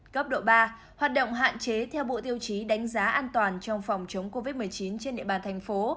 cấp độ ba hoạt động hạn chế theo bộ tiêu chí đánh giá an toàn trong phòng chống covid một mươi chín trên địa bàn thành phố